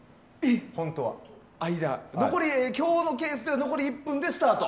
今日のケースだと残り１分でスタート。